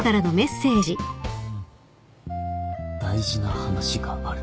「大事な話がある」